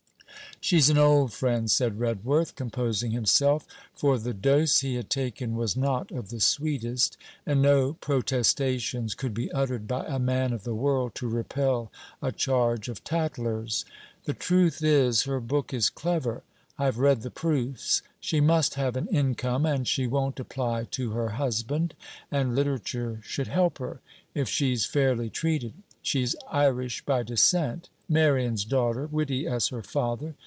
'She's an old friend,' said Redworth, composing himself; for the dose he had taken was not of the sweetest, and no protestations could be uttered by a man of the world to repel a charge of tattlers. 'The truth is, her book is clever. I have read the proofs. She must have an income, and she won't apply to her husband, and literature should help her, if she 's fairly treated. She 's Irish by descent; Merion's daughter, witty as her father.